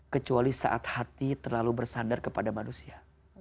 kecuali saat hati terlalu bersandar kepada manusia